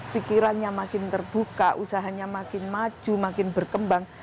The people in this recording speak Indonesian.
pikirannya makin terbuka usahanya makin maju makin berkembang